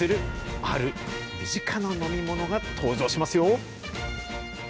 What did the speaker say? ある身近な飲み物が登場しますよ。